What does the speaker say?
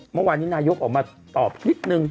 เมื่อวานนี้นายกออกมาตอบนิดนึง